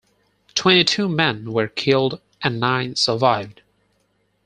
Twenty-two men were killed and nine survived.